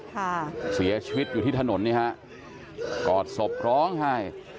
ค่ะเสียชีวิตอยู่ที่ถนนนี่ฮะกอดศพร้องไห้